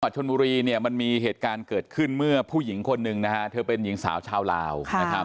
ชนบุรีมันมีเหตุการณ์เกิดขึ้นเมื่อผู้หญิงคนหนึ่งเธอเป็นหญิงสาวชาวลาว